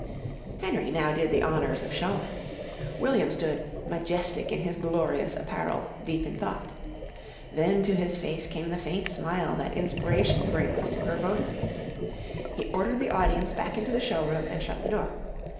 Henry now did the honours of showman. William stood, majestic in his glorious apparel, deep in thought. Then to his face came the faint smile that inspiration brings to her votaries. He ordered the audience back into the showroom and shut the door.